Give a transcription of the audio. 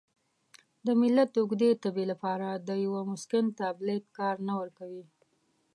د ملت د اوږدې تبې لپاره د یوه مسکن تابلیت کار نه ورکوي.